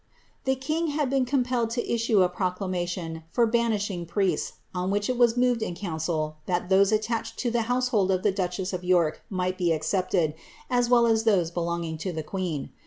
The king had been compelled to issue a proclamation for banishing priests, on which it was moved in council that those attached to the household of the duchess of York might be excepted, as well as those belonging to the queen.